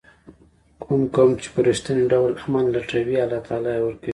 کوم قوم چې په رښتیني ډول امن لټوي الله تعالی یې ورکوي.